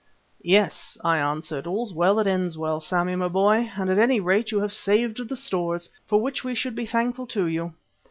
"Yes," I answered, "all's well that ends well, Sammy my boy, and at any rate you have saved the stores, for which we should be thankful to you.